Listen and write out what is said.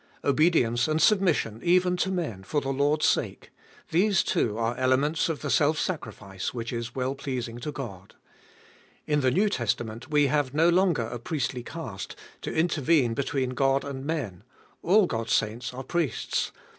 Obedience and submission, even to men, for the Lord's sake ; these, too, are elements of the self sacrifice, which is well pleasing to God. In the New Testament we have no longer a Tboliest of HU 535 priestly caste, to intervene between God and men ; all God's saints are priests.